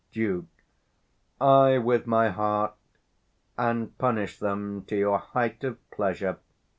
Duke. Ay, with my heart; And punish them to your height of pleasure.